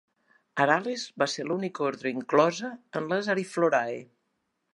Arales va ser l'única ordre inclosa en les Ariflorae.